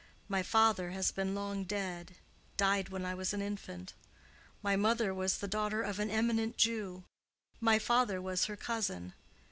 My father has been long dead—died when I was an infant. My mother was the daughter of an eminent Jew; my father was her cousin.